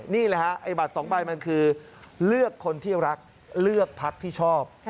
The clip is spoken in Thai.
นี่แหละฮะไอ้บัตร๒ใบมันคือเลือกคนที่รักเลือกพักที่ชอบ